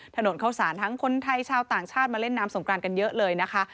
ถนนเข้าสารทั้งคนไทยชาวต่างชาติมาเล่นน้ำสงกรานกันเยอะเลยนะคะ